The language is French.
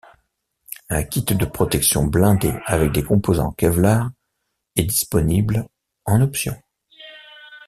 Un kit de protection blindée avec des composants en kevlar est disponible en option.